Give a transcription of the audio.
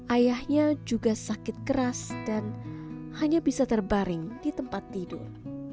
ayahnya juga sakit keras dan hanya bisa terbaring di tempat tidur